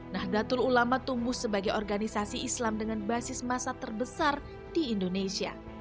nahdlatul ulama tumbuh sebagai organisasi islam dengan basis masa terbesar di indonesia